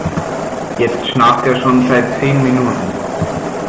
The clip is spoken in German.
Jetzt schnarcht er schon seit zehn Minuten.